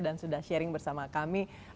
dan sudah sharing bersama kami